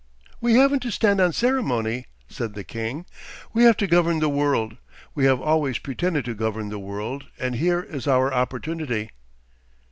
'We haven't to stand on ceremony,' said the king, 'we have to govern the world. We have always pretended to govern the world and here is our opportunity.